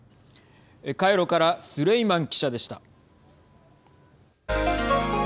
カイロからスレイマン記者でした。